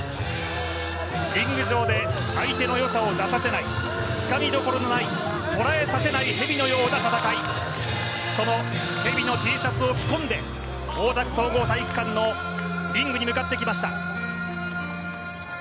リング上て相手のよさを出させない、つかみどころのない蛇のような戦い、その蛇のＴシャツを着込んで大田区総合体育館のリングに向かってきました。